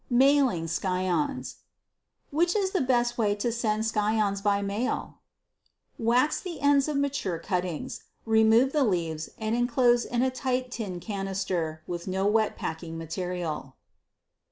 Mailing Scions. Which is the best way to send scions by mail? Wax the ends of mature cuttings, remove the leaves and enclose in a tight tin canister with no wet packing material.